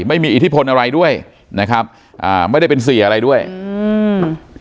ไม่มีอิทธิพลอะไรด้วยนะครับอ่าไม่ได้เป็นเสียอะไรด้วยอืม